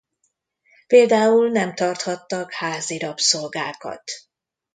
Például nem tarthattak házi rabszolgákat.